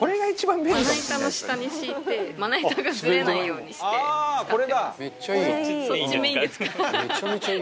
まな板の下に敷いてまな板がずれないようにして使ってます。